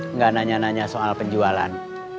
enggak nanya nanya soal penjualan